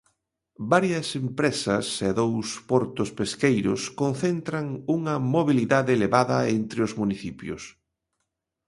Varias empresas e dous portos pesqueiros concentran unha mobilidade elevada entre os municipios.